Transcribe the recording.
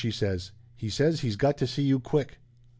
she says. "He says he's got to see you quick